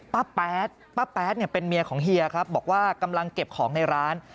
แป๊ดป้าแป๊ดเนี่ยเป็นเมียของเฮียครับบอกว่ากำลังเก็บของในร้าน